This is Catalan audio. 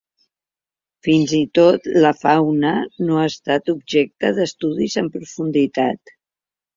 Fins i tot la fauna no ha estat objecte d'estudis en profunditat.